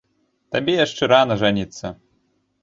Табе яшчэ рана жаніцца.